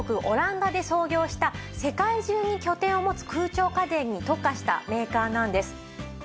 オランダで創業した世界中に拠点を持つ空調家電に特化したメーカーなんです。